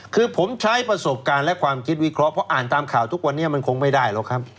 คือผมใช้ประสบการณ์และความคิดวิเคราะห์อ่านตามข่าวทุกวันนี้มันคงไม่ได้หรอกครับ